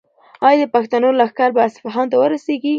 ایا د پښتنو لښکر به اصفهان ته ورسیږي؟